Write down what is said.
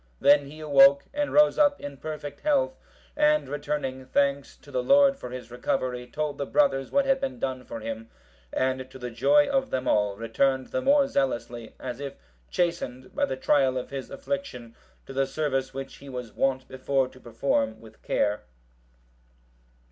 Then he awoke, and rose up in perfect health, and returning thanks to the Lord for his recovery, told the brothers what had been done for him; and to the joy of them all, returned the more zealously, as if chastened by the trial of his affliction, to the service which he was wont before to perform with care.